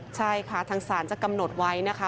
ใช่ค่ะทางศาลจะกำหนดไว้นะคะ